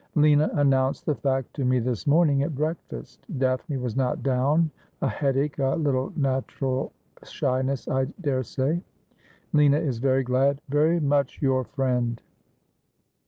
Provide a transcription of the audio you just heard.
' Lina announced the fact to me this morning at breakfast. Daphne was not down — a headache — a little natural shyness, I daresay. Lina is very glad — very much your friend.'